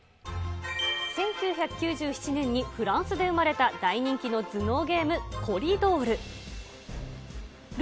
１９９７年にフランスで生まれた大人気の頭脳ゲーム、コリドール。